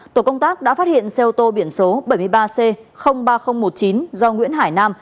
tổ công tác đã phát hiện xe ô tô biển số bảy mươi ba c ba nghìn một mươi chín do nguyễn hải nam